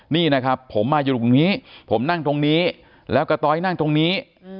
นี่นะครับผมมาอยู่ตรงนี้ผมนั่งตรงนี้แล้วกระต้อยนั่งตรงนี้